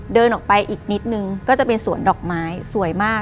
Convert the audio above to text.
เดินออกไปอีกนิดนึงก็จะเป็นสวนดอกไม้สวยมาก